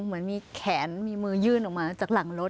เหมือนมีแขนมีมือยื่นออกมาจากหลังรถ